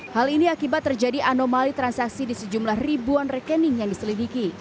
hal ini akibat terjadi anomali transaksi di sejumlah ribuan rekening yang diselidiki